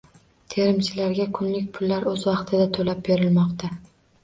Terimchilarga kunlik pullar o‘z vaqtida to‘lab berilmoqda